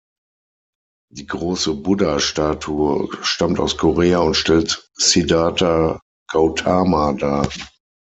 Die große Buddha-Statue stammt aus Korea und stellt Siddhartha Gautama dar.